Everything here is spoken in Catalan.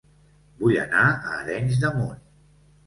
Vull anar a Arenys de Munt